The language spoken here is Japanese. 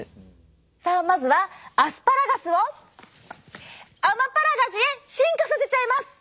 さあまずはアスパラガスをアマパラガジュへ進化させちゃいます！